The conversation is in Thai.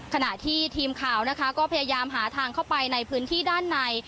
ขณะที่ทีมข่าวนะคะก็พยายามหาทางเข้าไปในพื้นที่ด้านใน